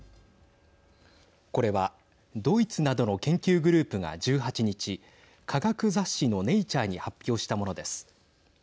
これはドイツなどの研究グループが１８日科学雑誌のネイチャーに発表したものです。